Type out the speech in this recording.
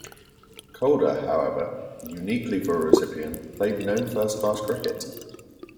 Calder, however, uniquely for a recipient, played no first-class cricket.